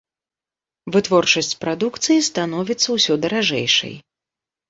Вытворчасць прадукцыі становіцца ўсё даражэйшай.